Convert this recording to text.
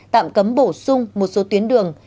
tạm cấm bổ sung một số tuyến đường